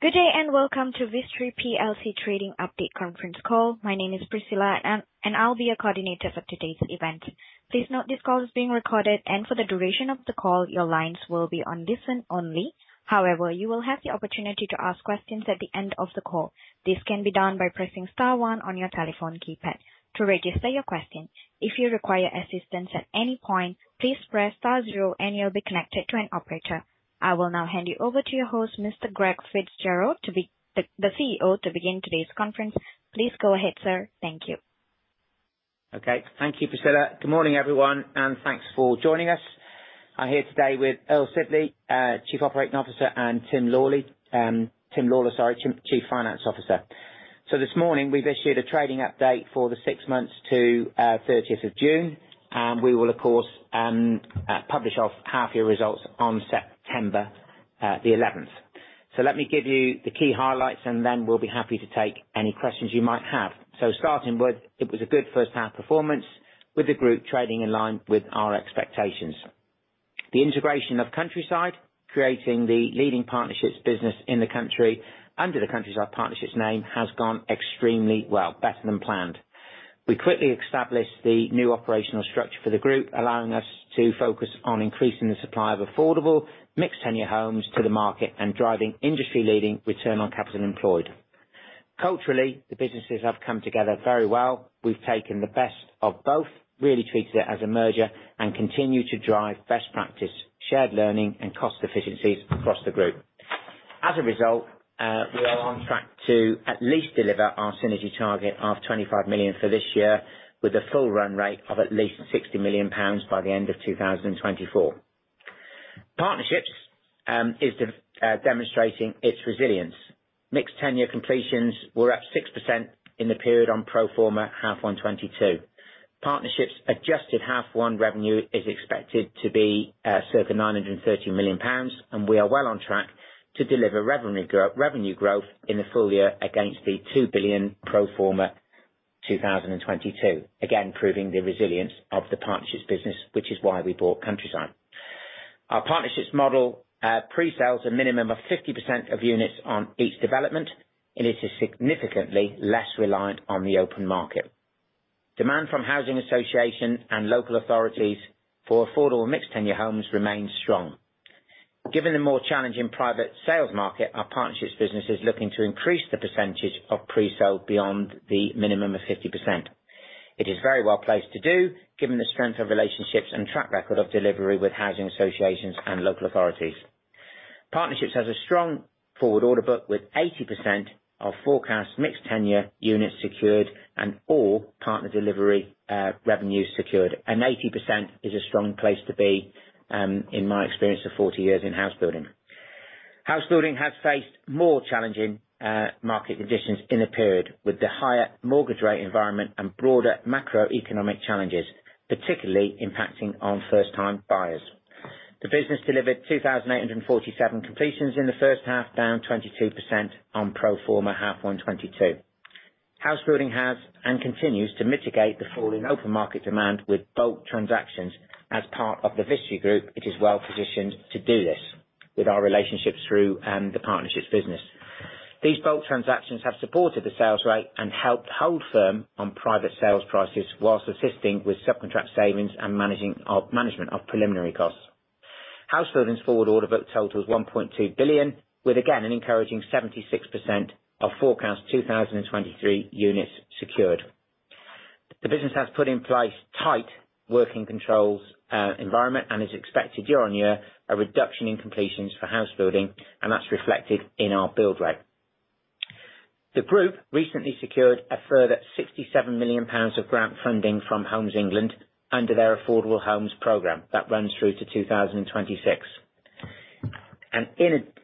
Good day, welcome to Vistry PLC Trading Update conference call. My name is Priscilla, and I'll be your coordinator for today's event. Please note this call is being recorded, and for the duration of the call, your lines will be on listen only. However, you will have the opportunity to ask questions at the end of the call. This can be done by pressing star one on your telephone keypad to register your question. If you require assistance at any point, please press star zero and you'll be connected to an operator. I will now hand you over to your host, Mr. Greg Fitzgerald, the CEO, to begin today's conference. Please go ahead, sir. Thank you. Okay. Thank you, Priscilla. Good morning, everyone. Thanks for joining us. I'm here today with Earl Sibley, Chief Operating Officer, and Tim Lawlor, sorry, Chief Finance Officer. This morning, we've issued a trading update for the six months to 30th of June, and we will, of course, publish our half year results on September 11th. Let me give you the key highlights. We'll be happy to take any questions you might have. Starting with, it was a good first half performance, with the group trading in line with our expectations. The integration of Countryside, creating the leading partnerships business in the country, under the Countryside Partnerships name, has gone extremely well, better than planned. We quickly established the new operational structure for the group, allowing us to focus on increasing the supply of affordable, mixed tenure homes to the market, and driving industry-leading return on capital employed. Culturally, the businesses have come together very well. We've taken the best of both, really treated it as a merger, and continue to drive best practice, shared learning, and cost efficiencies across the group. As a result, we are on track to at least deliver our synergy target of 25 million for this year, with a full run rate of at least 60 million pounds by the end of 2024. Partnerships is demonstrating its resilience. Mixed tenure completions were up 6% in the period on pro forma half 1 2022. Partnerships adjusted half one revenue is expected to be, circa 930 million pounds, and we are well on track to deliver revenue growth in the full year against the 2 billion pro forma 2022. Again, proving the resilience of the partnerships business, which is why we bought Countryside. Our partnerships model pre-sales a minimum of 50% of units on each development, and it is significantly less reliant on the open market. Demand from housing associations and local authorities for affordable mixed tenure homes remains strong. Given the more challenging private sales market, our partnerships business is looking to increase the percentage of pre-sale beyond the minimum of 50%. It is very well placed to do, given the strength of relationships and track record of delivery with housing associations and local authorities. Partnerships has a strong forward order book, with 80% of forecast mixed tenure units secured, and all partner delivery revenues secured. 80% is a strong place to be, in my experience of 40 years in housebuilding. Housebuilding has faced more challenging market conditions in the period, with the higher mortgage rate environment and broader macroeconomic challenges, particularly impacting on first-time buyers. The business delivered 2,847 completions in the first half, down 22% on pro forma half 1 2022. Housebuilding has, and continues, to mitigate the fall in open market demand with bulk transactions. As part of the Vistry Group, it is well positioned to do this with our relationships through the Partnerships business. These bulk transactions have supported the sales rate and helped hold firm on private sales prices, whilst assisting with subcontract savings and management of preliminary costs. Housebuilding's forward order book total is 1.2 billion, with, again, an encouraging 76% of forecast 2023 units secured. The business has put in place tight working controls environment, and has expected year-on-year, a reduction in completions for housebuilding, and that's reflected in our build rate. The group recently secured a further 67 million pounds of grant funding from Homes England, under their Affordable Homes Programme. That runs through to 2026.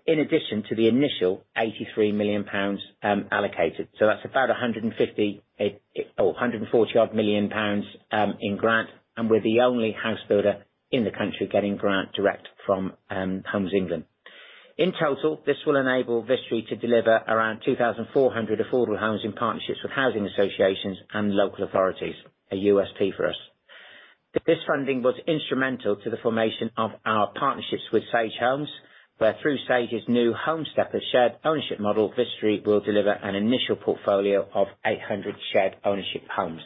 In addition to the initial 83 million pounds allocated, so that's about 150, or 140 odd million in grant, we're the only house builder in the country getting grant direct from Homes England. In total, this will enable Vistry to deliver around 2,400 affordable housing partnerships with housing associations and local authorities, a USP for us. This funding was instrumental to the formation of our partnerships with Sage Homes, where through Sage's new Home Stepper shared ownership model, Vistry will deliver an initial portfolio of 800 shared ownership homes.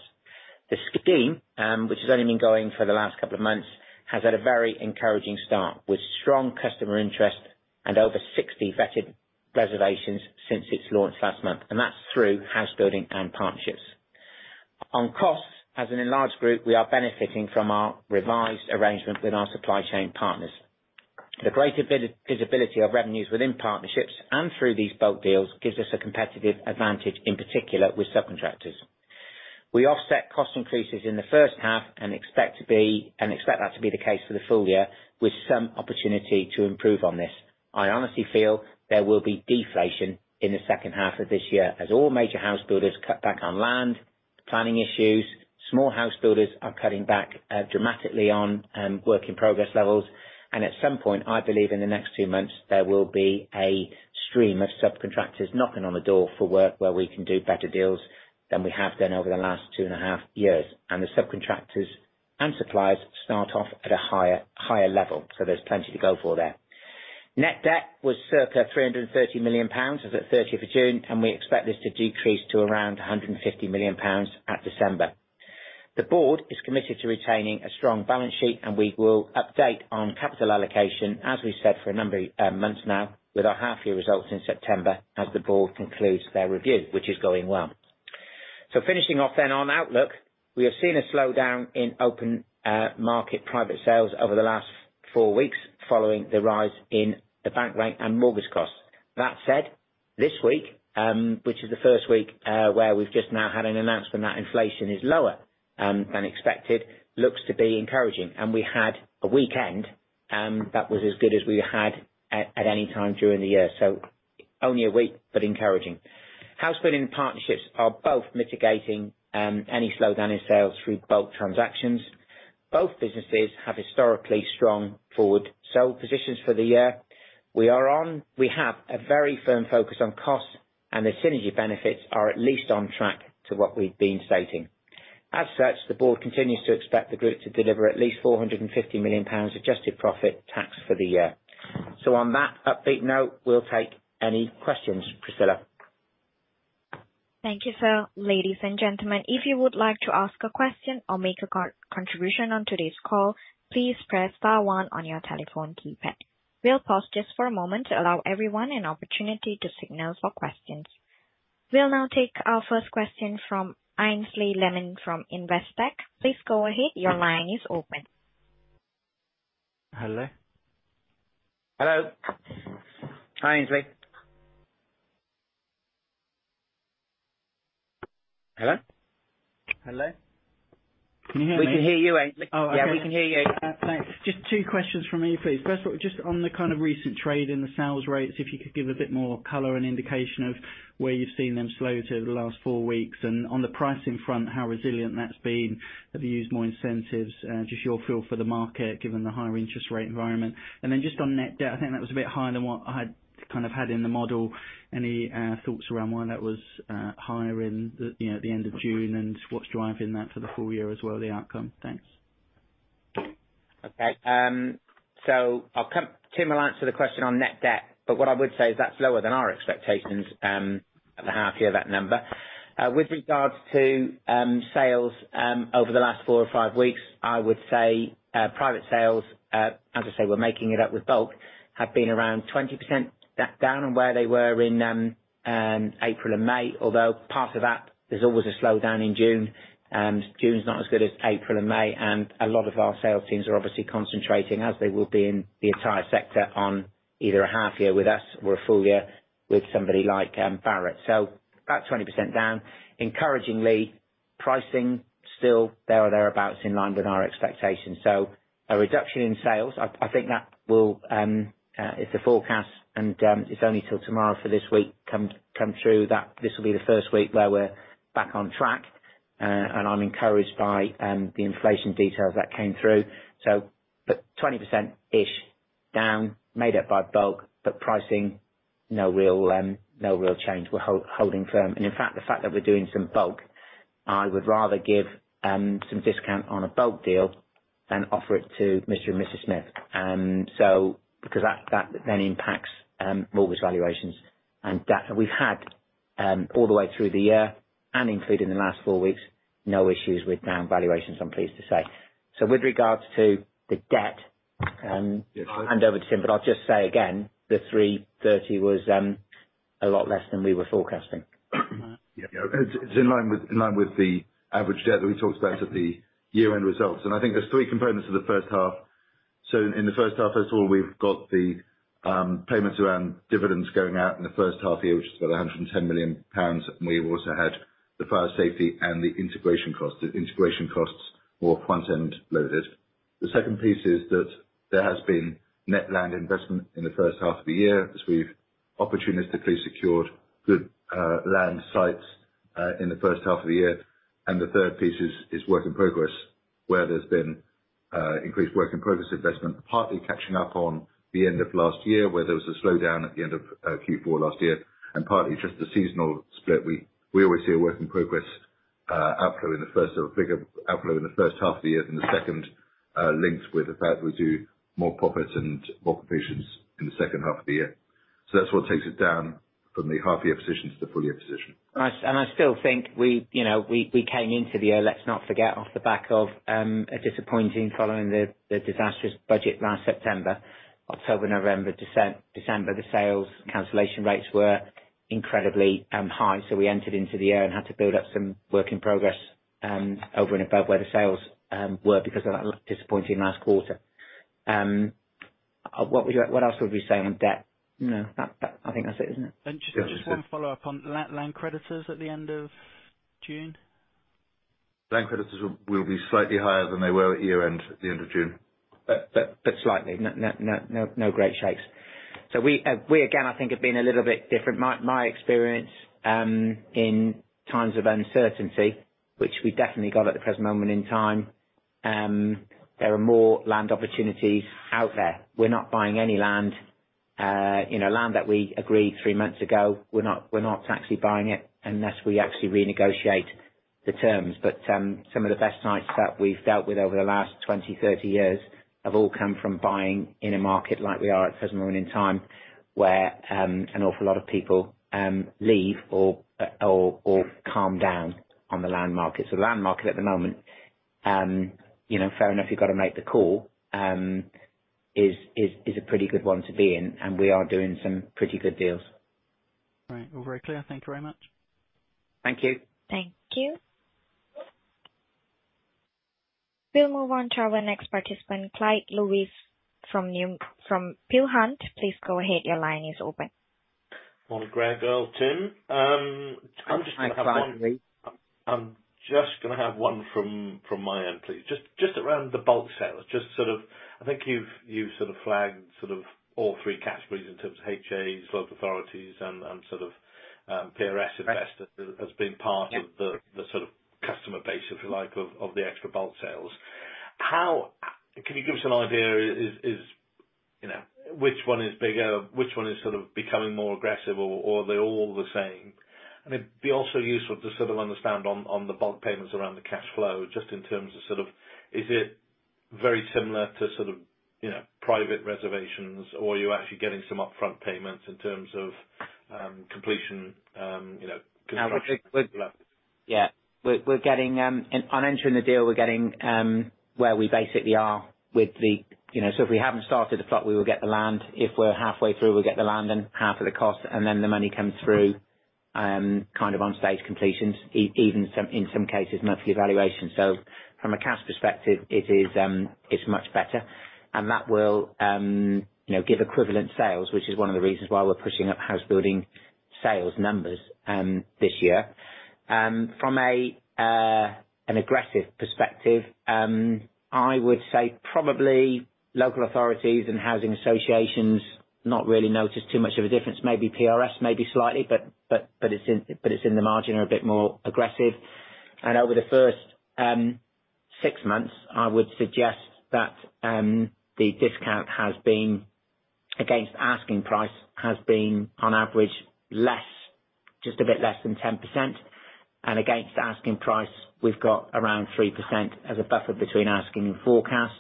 The scheme, which has only been going for the last couple of months, has had a very encouraging start, with strong customer interest and over 60 vetted reservations since its launch last month, and that's through housebuilding and partnerships. On costs, as an enlarged group, we are benefiting from our revised arrangement with our supply chain partners. The greater visibility of revenues within partnerships and through these bulk deals, gives us a competitive advantage, in particular with subcontractors. We offset cost increases in the first half and expect that to be the case for the full year, with some opportunity to improve on this. I honestly feel there will be deflation in the second half of this year, as all major housebuilders cut back on land, planning issues, small housebuilders are cutting back dramatically on work in progress levels. At some point, I believe in the next two months, there will be a stream of subcontractors knocking on the door for work, where we can do better deals than we have done over the last two and a half years. The subcontractors and supplies start off at a higher level. There's plenty to go for there. Net debt was circa 330 million pounds as of 30th of June. We expect this to decrease to around 150 million pounds at December. The board is committed to retaining a strong balance sheet, and we will update on capital allocation, as we said, for a number months now, with our half year results in September, as the board concludes their review, which is going well. Finishing off on outlook, we have seen a slowdown in open market private sales over the last four weeks, following the rise in the bank rate and mortgage costs. That said, this week, which is the first week, where we've just now had an announcement that inflation is lower than expected, looks to be encouraging. We had a weekend that was as good as we had at any time during the year. Only a week, but encouraging. Housebuilding partnerships are both mitigating any slowdown in sales through bulk transactions. Both businesses have historically strong forward sell positions for the year. We have a very firm focus on cost, and the synergy benefits are at least on track to what we've been stating. As such, the board continues to expect the Group to deliver at least 450 million pounds adjusted profit tax for the year. On that upbeat note, we'll take any questions. Priscilla? Thank you, sir. Ladies and gentlemen, if you would like to ask a question or make a co-contribution on today's call, please press star one on your telephone keypad. We'll pause just for a moment to allow everyone an opportunity to signal for questions. We'll now take our first question from Aynsley Lammin from Investec. Please go ahead. Your line is open. Hello? Hello, Aynsley. Hello? Hello. Can you hear me? We can hear you, Aynsley. Oh, okay. Yeah, we can hear you. Thanks. Just two questions from me, please. First of all, just on the kind of recent trade and the sales rates, if you could give a bit more color and indication of where you've seen them slow to the last four weeks, and on the pricing front, how resilient that's been. Have you used more incentives? Just your feel for the market, given the higher interest rate environment. Just on net debt, I think that was a bit higher than what I had kind of had in the model. Any thoughts around why that was higher in the, you know, the end of June? What's driving that for the full year as well, the outcome? Thanks. Okay, Tim will answer the question on net debt, but what I would say is that's lower than our expectations at the half year, that number. With regards to sales over the last four or five weeks, I would say private sales, as I say, we're making it up with bulk, have been around 20% down on where they were in April and May. Part of that, there's always a slowdown in June, and June's not as good as April and May, and a lot of our sales teams are obviously concentrating, as they will be in the entire sector, on either a half year with us or a full year with somebody like Barratt. About 20% down. Encouragingly, pricing still there or thereabouts, in line with our expectations. A reduction in sales, I think that will, if the forecast and it's only till tomorrow, for this week, come through, that this will be the first week where we're back on track, and I'm encouraged by the inflation details that came through. 20%-ish down, made up by bulk, but pricing, no real change, we're holding firm. In fact, the fact that we're doing some bulk, I would rather give some discount on a bulk deal, than offer it to Mr. and Mrs. Smith. Because that then impacts mortgage valuations. Debt, we've had all the way through the year, and including the last four weeks, no issues with down valuations, I'm pleased to say. With regards to the debt. Yeah. Hand over to Tim, but I'll just say again, the 330 million was a lot less than we were forecasting. Yeah. It's in line with the average debt that we talked about at the year-end results. I think there's three components to the first half. In the first half, first of all, we've got the payments around dividends going out in the first half year, which is about 110 million pounds, and we also had the fire safety and the integration costs. The integration costs more front-end loaded. The second piece is that there has been net land investment in the first half of the year, as we've opportunistically secured good land sites in the first half of the year. The third piece is work in progress, where there's been increased work in progress investment, partly catching up on the end of last year, where there was a slowdown at the end of Q4 last year, and partly just the seasonal split. We always see a work in progress outflow in the first half of the year than the second, linked with the fact that we do more pockets and more positions in the second half of the year. That's what takes it down from the half year position to the full year position. I still think we, you know, we came into the year, let's not forget, off the back of a disappointing following the disastrous budget last September. October, November, December, the sales cancellation rates were incredibly high. We entered into the year and had to build up some work in progress over and above where the sales were because of that disappointing last quarter. What else would we say on debt? No, I think that's it, isn't it? Just one follow-up on land creditors at the end of June? Land creditors will be slightly higher than they were at year-end, at the end of June. Slightly. no great shakes. We again, I think have been a little bit different. My experience, in times of uncertainty, which we've definitely got at the present moment in time, there are more land opportunities out there. We're not buying any land, you know, land that we agreed three months ago, we're not actually buying it unless we actually renegotiate the terms. Some of the best sites that we've dealt with over the last 20, 30 years, have all come from buying in a market like we are at present moment in time, where an awful lot of people leave or calm down on the land market. The land market at the moment, you know, fair enough, you've got to make the call, is a pretty good one to be in, and we are doing some pretty good deals. Right. All very clear. Thank you very much. Thank you. Thank you. We'll move on to our next participant, Clyde Lewis from Peel Hunt. Please go ahead. Your line is open. Morning, Greg, Earl, Tim. I'm just gonna have. Hi, Clyde. I'm just gonna have one from my end, please. Just around the bulk sales. Just sort of, I think you've sort of flagged sort of all three categories in terms of HAs, local authorities and sort of PRS investors, as being part of the- Yeah the sort of customer base, if you like, of the extra bulk sales. Can you give us an idea, is, you know, which one is bigger? Which one is sort of becoming more aggressive, or are they all the same? It'd be also useful to sort of understand on the bulk payments around the cash flow, just in terms of sort of, is it very similar to sort of, you know, private reservations? Or are you actually getting some upfront payments in terms of completion, you know, construction? Yeah, we're getting. On entering the deal, we're getting, where we basically are with the. You know, so if we haven't started the plot, we will get the land. If we're halfway through, we'll get the land and half of the cost, and then the money comes through, kind of on stage completions, even some, in some cases, monthly evaluations. From a cash perspective, it is, it's much better. That will, you know, give equivalent sales, which is one of the reasons why we're pushing up house building sales numbers this year. From an aggressive perspective, I would say probably local authorities and Housing Associations, not really noticed too much of a difference. Maybe PRS, maybe slightly, but it's in the margin, are a bit more aggressive. Over the first six months, I would suggest that the discount has been against asking price, has been on average, less, just a bit less than 10%. Against asking price, we've got around 3% as a buffer between asking and forecast.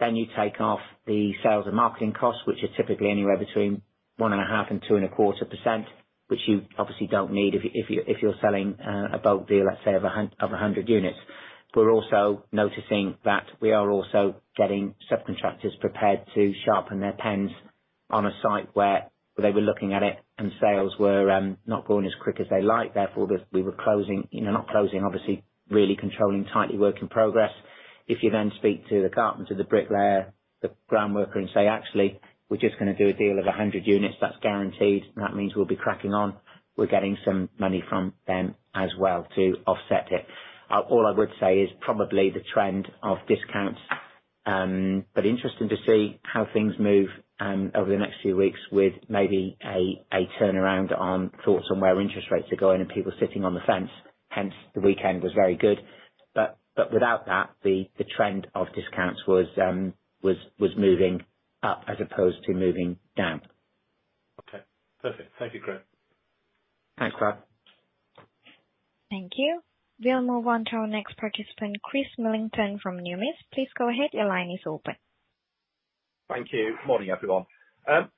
You take off the sales and marketing costs, which are typically anywhere between 1.5%-2.25%, which you obviously don't need if you're selling a bulk deal, let's say of 100 units. We're also noticing that we are also getting subcontractors prepared to sharpen their pens on a site where they were looking at it, and sales were not going as quick as they liked, therefore, we were closing, you know, not closing, obviously, really controlling tightly work in progress. If you then speak to the carpenters, or the bricklayer, the groundworker and say, "Actually, we're just going to do a deal of 100 units, that's guaranteed. That means we'll be cracking on," we're getting some money from them as well to offset it. All I would say is probably the trend of discounts. Interesting to see how things move over the next few weeks, with maybe a turnaround on thoughts on where interest rates are going and people sitting on the fence, hence the weekend was very good. Without that, the trend of discounts was moving up as opposed to moving down. Okay, perfect. Thank you, Greg. Thanks, Clyde. Thank you. We'll move on to our next participant, Chris Millington from Numis. Please go ahead, your line is open. Thank you. Morning, everyone.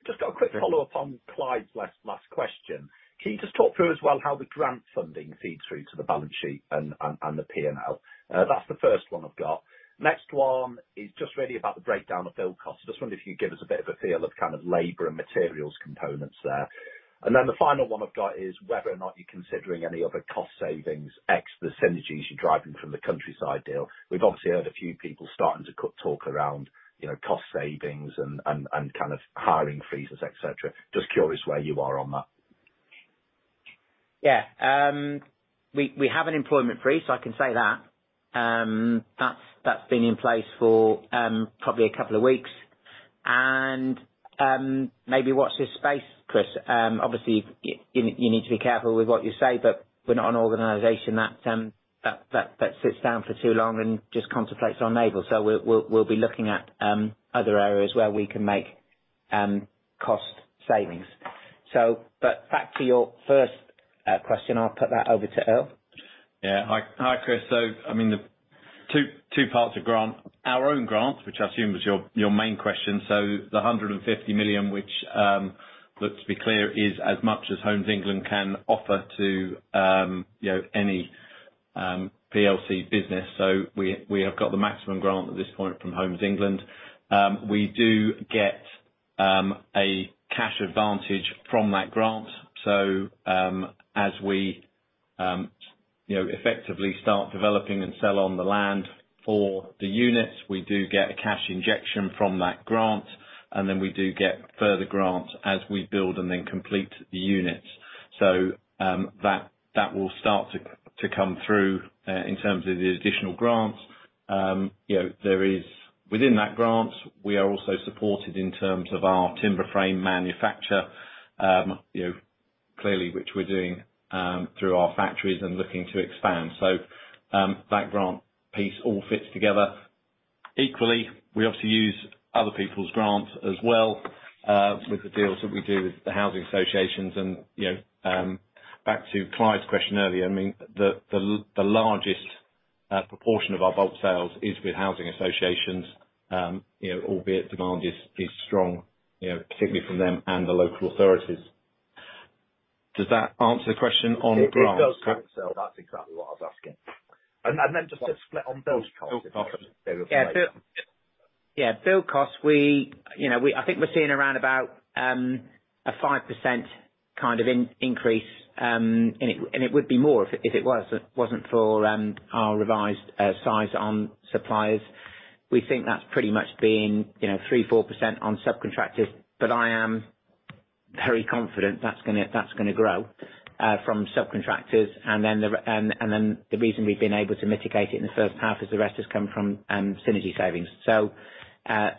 Just got a quick follow-up on Clyde's last question. Can you just talk through as well, how the grant funding feeds through to the balance sheet and the PNL? That's the first one I've got. Next one is just really about the breakdown of build costs. I just wonder if you could give us a bit of a feel of kind of labor and materials components there. The final one I've got, is whether or not you're considering any other cost savings, ex the synergies you're driving from the Countryside deal. We've obviously heard a few people starting to talk around, you know, cost savings and kind of hiring freezes, et cetera. Just curious where you are on that. Yeah. We have an employment freeze, so I can say that. That's been in place for probably a couple of weeks. Maybe watch this space, Chris. Obviously, you need to be careful with what you say, but we're not an organization that sits down for too long and just contemplates our navel. We'll be looking at other areas where we can make cost savings. But back to your first question, I'll put that over to Earl. Yeah. Hi, Chris. I mean, the two parts of grant. Our own grant, which I assume was your main question, so the 150 million, which, let's be clear, is as much as Homes England can offer to, you know, any PLC business. We have got the maximum grant at this point from Homes England. We do get a cash advantage from that grant. As we, you know, effectively start developing and sell on the land for the units, we do get a cash injection from that grant, and then we do get further grants as we build and then complete the units. That will start to come through in terms of the additional grants. You know, there is... Within that grant, we are also supported in terms of our timber frame manufacture, you know, clearly, which we're doing through our factories and looking to expand. That grant piece all fits together. Equally, we obviously use other people's grants as well, with the deals that we do with the housing associations. You know, back to Clyde's question earlier, I mean, the largest proportion of our bulk sales is with housing associations. You know, albeit demand is strong, you know, particularly from them and the local authorities. Does that answer the question on grants? It does, so that's exactly what I was asking. Then just to split on build costs. Build costs. Yeah, build costs, we, you know, I think we're seeing around about a 5% kind of increase. It, and it would be more if it was, if it wasn't for our revised size on suppliers. We think that's pretty much been, you know, 3%, 4% on subcontractors, but I am very confident that's gonna grow from subcontractors. The reason we've been able to mitigate it in the first half, is the rest has come from synergy savings.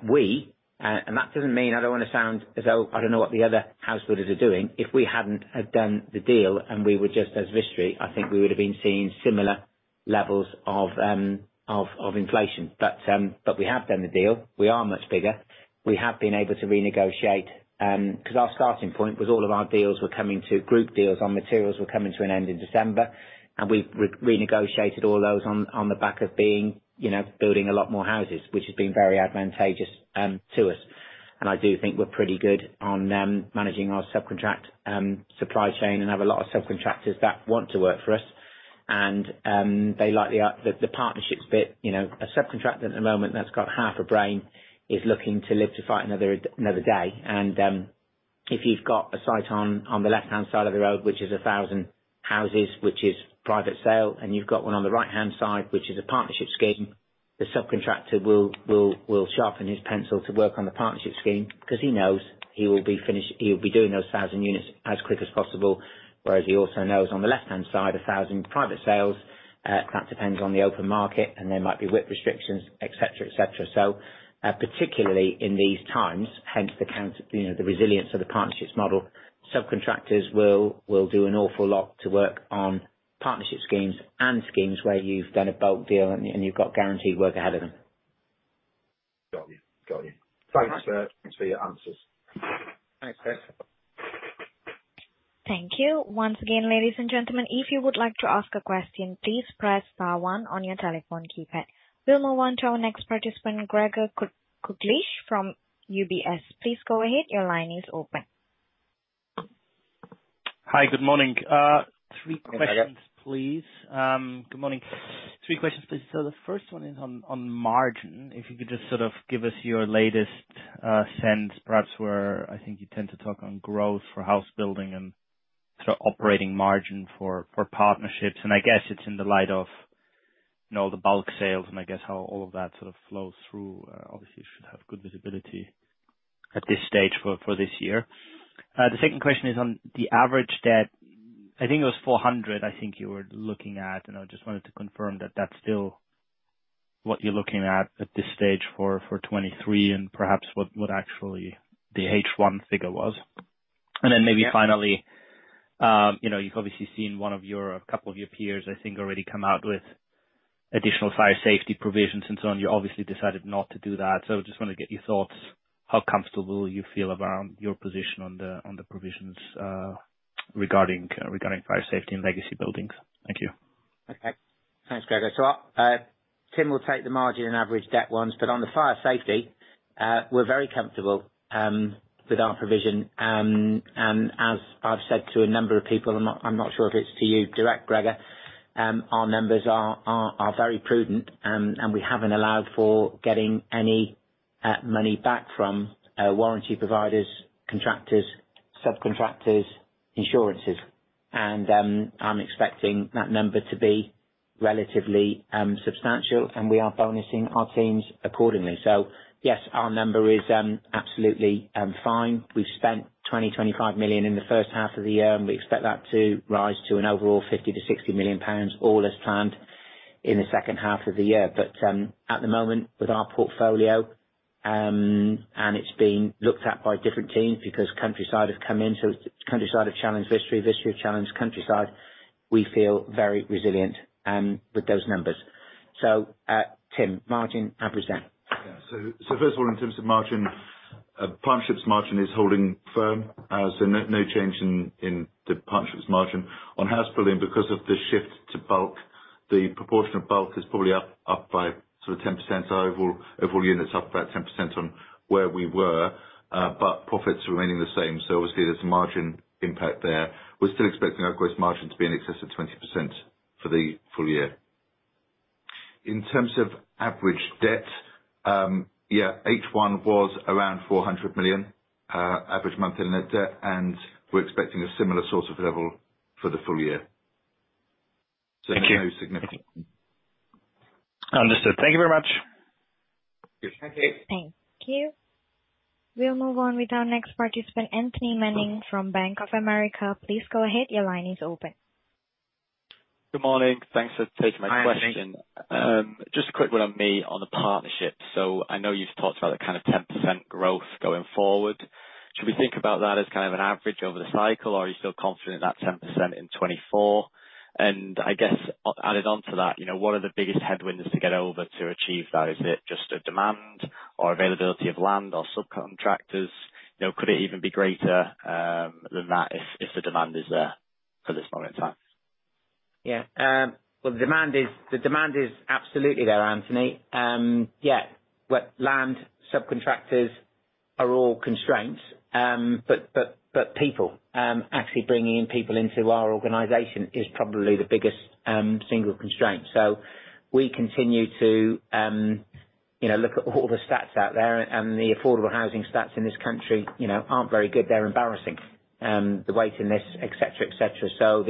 We, and that doesn't mean... I don't want to sound as though I don't know what the other house builders are doing. If we hadn't had done the deal, and we were just as Vistry, I think we would've been seeing similar levels of inflation. We have done the deal. We are much bigger. We have been able to renegotiate, 'cause our starting point was all of our deals were coming to group deals on materials, were coming to an end in December, and we've renegotiated all those on the back of being, you know, building a lot more houses, which has been very advantageous to us. I do think we're pretty good on managing our subcontract supply chain, and have a lot of subcontractors that want to work for us. They like the partnerships bit. You know, a subcontractor at the moment that's got half a brain, is looking to live to fight another day. If you've got a site on the left-hand side of the road, which is 1,000 houses, which is private sale, and you've got one on the right-hand side, which is a partnership scheme, the subcontractor will sharpen his pencil to work on the partnership scheme, 'cause he knows he will be finished. He'll be doing those 1,000 units as quick as possible. He also knows on the left-hand side, 1,000 private sales, that depends on the open market, and there might be nitrate restrictions, et cetera, et cetera. Particularly in these times, hence, you know, the resilience of the partnerships model, subcontractors will do an awful lot to work on partnership schemes and schemes where you've done a bulk deal and you've got guaranteed work ahead of them. Got you. Got you. Thanks, for your answers. Thanks, Chris. Thank you. Once again, ladies and gentlemen, if you would like to ask a question, please press star one on your telephone keypad. We'll move on to our next participant, Gregor Kuglitsch from UBS. Please go ahead. Your line is open. Hi, good morning. Three questions... Hi, Gregor. ..please. Good morning. Three questions, please. The first one is on margin. If you could just sort of give us your latest sense, perhaps where I think you tend to talk on growth for house building and sort of operating margin for partnerships. I guess it's in the light of, you know, the bulk sales, and I guess how all of that sort of flows through, obviously you should have good visibility at this stage for this year. The second question is on the average debt. I think it was 400, I think you were looking at, and I just wanted to confirm that that's still what you're looking at this stage for 2023, and perhaps what actually the H1 figure was. Yeah. Maybe finally, you know, you've obviously seen one of your, a couple of your peers, I think, already come out with additional fire safety provisions and so on. You obviously decided not to do that, so just want to get your thoughts, how comfortable you feel about your position on the, on the provisions, regarding fire safety in legacy buildings? Thank you. Okay. Thanks, Gregor. Tim will take the margin and average debt ones, but on the fire safety, we're very comfortable with our provision. As I've said to a number of people, I'm not sure if it's to you direct, Gregor, our numbers are very prudent, and we haven't allowed for getting any money back from warranty providers, contractors, subcontractors, insurances. I'm expecting that number to be relatively substantial, and we are bonusing our teams accordingly. Yes, our number is absolutely fine. We've spent 20 million-25 million in the first half of the year, and we expect that to rise to an overall 50 million-60 million pounds, all as planned, in the second half of the year. At the moment, with our portfolio, and it's being looked at by different teams because Countryside has come in, so Countryside have challenged Vistry have challenged Countryside. We feel very resilient with those numbers. Tim, margin, average debt. Yeah. First of all, in terms of margin, Partnerships margin is holding firm, no change in the Partnerships margin. On housebuilding, because of the shift to bulk, the proportion of bulk is probably up by sort of 10%. Overall units up about 10% on where we were, profits remaining the same, obviously there's a margin impact there. We're still expecting our gross margin to be in excess of 20% for the full year. In terms of average debt, yeah, H1 was around 400 million average monthly net debt, we're expecting a similar sort of level for the full year. Thank you. So no significant- Understood. Thank you very much. Yes. Thank you. Thank you. We'll move on with our next participant, Anthony Manning from Bank of America. Please go ahead, your line is open. Good morning. Thanks for taking my question. Hi, Anthony. Just a quick one on me on the partnership. I know you've talked about the kind of 10% growth going forward. Should we think about that as kind of an average over the cycle, or are you still confident in that 10% in 2024? I guess, added on to that, you know, what are the biggest headwinds to get over to achieve that? Is it just a demand or availability of land or subcontractors? You know, could it even be greater than that, if the demand is there for this point in time? Yeah. Well, the demand is absolutely there, Anthony. Yeah, well, land subcontractors are all constraints, but people actually bringing in people into our organization is probably the biggest single constraint. We continue to, you know, look at all the stats out there, and the affordable housing stats in this country, you know, aren't very good, they're embarrassing, the waiting lists, et cetera, et cetera.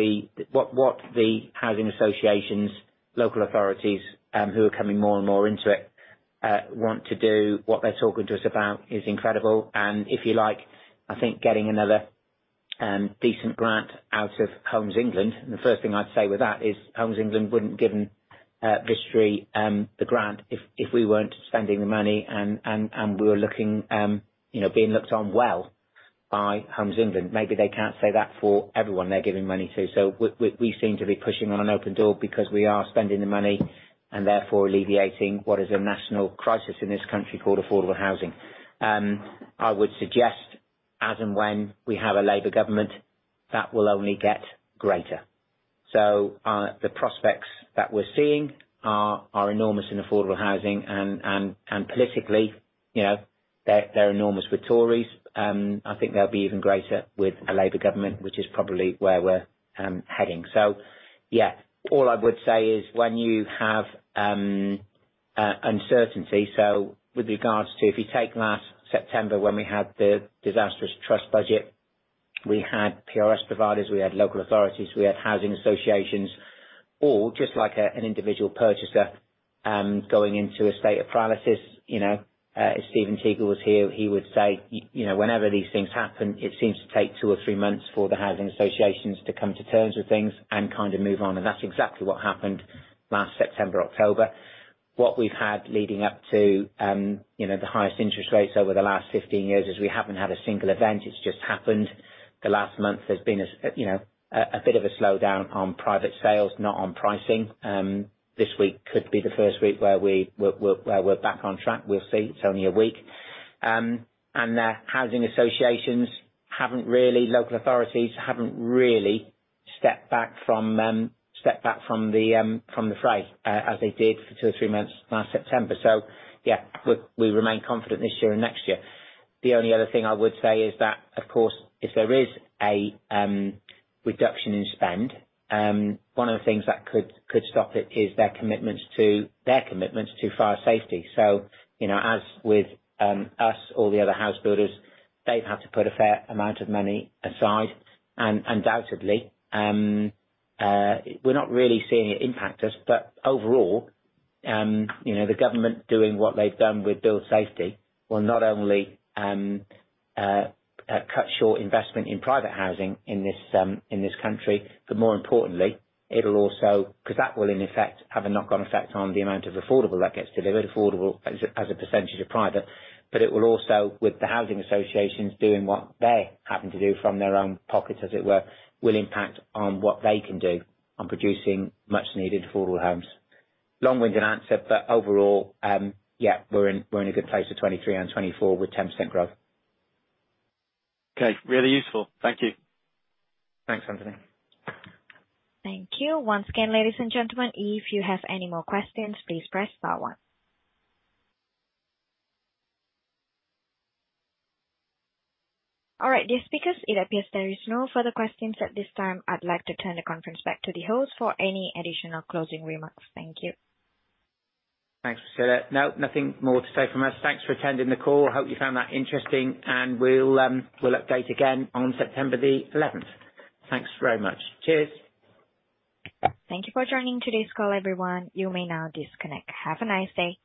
What the housing associations, local authorities, who are coming more and more into it, want to do, what they're talking to us about, is incredible. If you like, I think getting another, decent grant out of Homes England, and the first thing I'd say with that, is Homes England wouldn't have given Vistry the grant if we weren't spending the money and we were looking, you know, being looked on well by Homes England. Maybe they can't say that for everyone they're giving money to. We seem to be pushing on an open door, because we are spending the money, and therefore alleviating what is a national crisis in this country, called affordable housing. I would suggest, as and when we have a labour government, that will only get greater. The prospects that we're seeing are enormous in affordable housing and politically, you know, they're enormous with Tories. I think they'll be even greater with a labour government, which is probably where we're heading. All I would say is, when you have uncertainty... If you take last September, when we had the disastrous Truss budget, we had PRS providers, we had local authorities, we had housing associations, all just like an individual purchaser, going into a state of paralysis, you know. If Stephen Teagle was here, he would say, "You know, whenever these things happen, it seems to take two or three months for the housing associations to come to terms with things and kind of move on." That's exactly what happened last September, October. What we've had leading up to, you know, the highest interest rates over the last 15 years, is we haven't had a single event, it's just happened. The last month there's been you know, a bit of a slowdown on private sales, not on pricing. This week could be the first week where we're back on track. We'll see, it's only a week. The Housing Associations haven't really, local authorities, haven't really stepped back from the fray, as they did for two or three months last September. Yeah, we remain confident this year and next year. The only other thing I would say is that, of course, if there is a reduction in spend, one of the things that could stop it, is their commitments to fire safety. You know, as with us or the other house builders, they've had to put a fair amount of money aside, and undoubtedly, we're not really seeing it impact us. Overall, you know, the government doing what they've done with Building Safety, will not only cut short investment in private housing in this country, but more importantly, it'll also... 'Cause that will in effect, have a knock-on effect on the amount of affordable that gets delivered, affordable as a % of private. It will also, with the housing associations doing what they happen to do from their own pocket, as it were, will impact on what they can do on producing much needed affordable homes. Long-winded answer, yeah, we're in a good place for 2023 and 2024, with 10% growth. Okay, really useful. Thank you. Thanks, Anthony. Thank you. Once again, ladies and gentlemen, if you have any more questions, please press star one. Dear speakers, it appears there is no further questions at this time. I'd like to turn the conference back to the host for any additional closing remarks. Thank you. Thanks, Priscilla. No, nothing more to say from us. Thanks for attending the call. Hope you found that interesting, and we'll update again on September the eleventh. Thanks very much. Cheers. Thank you for joining today's call, everyone. You may now disconnect. Have a nice day!